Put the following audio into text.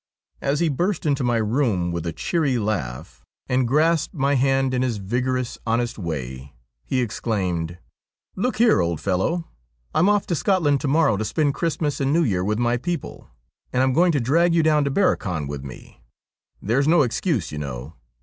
As he burst into my room with a cheery laugh 42 STORIES WEIRD AND WONDERFUL and grasped my hand in his vigorous, honest way, he ex claimed :' Look here, old fellow, I'm off to Scotland to morrow to spend Christmas and New Year with my people, and I'm going to drag you down to Barrochan with me. There's no excuse, you know.